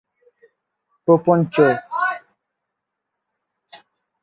Marylebone cricket ক্লাবের পক্ষেও খেলেছিলেন তিনি।